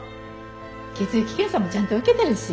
血液検査もちゃんと受けてるし。